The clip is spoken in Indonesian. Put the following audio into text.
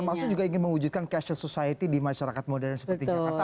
termasuk juga ingin mewujudkan casher society di masyarakat modern seperti jakarta